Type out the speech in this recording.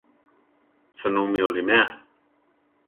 ¿Sunú mi oliméa?